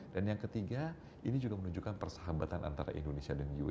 dan yang ketiga ini juga menunjukkan persahabatan antara indonesia dan uae